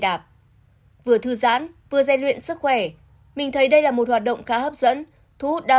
đạp vừa thư giãn vừa gian luyện sức khỏe mình thấy đây là một hoạt động khá hấp dẫn thu hút đa